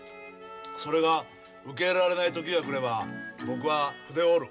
それが受け入れられない時が来れば僕は筆を折る。